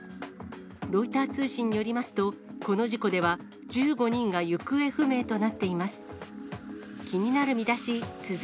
ロイター通信によりますと、この事故では、１５人が行方不明となっています。